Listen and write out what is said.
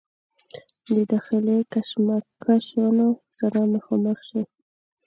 د داخلي کشمکشونو سره مخامخ شي